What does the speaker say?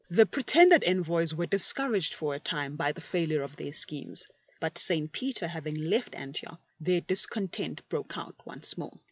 The pretended envoys were discouraged for a time by the failure of their schemes, but St. Peter having left Antioch, their discontent broke out once more.